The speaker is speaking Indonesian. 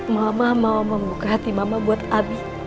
mama mau membuka hati mama buat abi